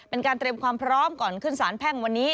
เป็นการเตรียมความพร้อมก่อนขึ้นสารแพ่งวันนี้